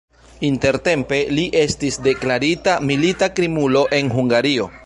Intertempe li estis deklarita milita krimulo en Hungario.